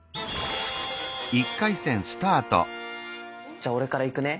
じゃあ俺からいくね。